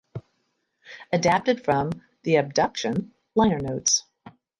Adapted from the "Abduction" liner notes.